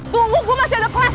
tunggu gue masih ada kelas